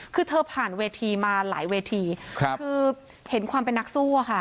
คือเธอผ่านเวทีมาหลายเวทีคือเห็นความเป็นนักสู้อะค่ะ